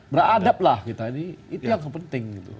beradab lah kita ini itu yang penting gitu